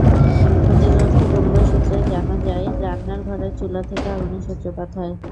ক্ষতিগ্রস্ত পরিবার সূত্রে জানা যায়, রান্নার ঘরে চুলা থেকে আগুনের সূত্রপাত হয়।